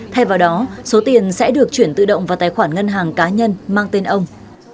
thay vào đó số tiền sẽ được chuyển tự động vào tài khoản ngân hàng cá nhân mang tên ông